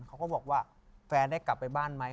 เขาก็บอกว่าแฟนได้กลับไปบ้านไหม